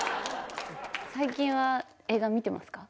最近は映画見てますか？